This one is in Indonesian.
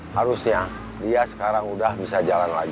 harusnya dia sekarang udah bisa jalan lagi